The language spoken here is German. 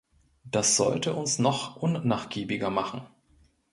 Das sollte uns noch unnachgiebiger machen.